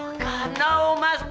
oh tuhan tidak mas tunggu